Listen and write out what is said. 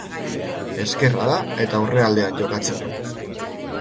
Ezkerra da eta aurrealdean jokatzen du.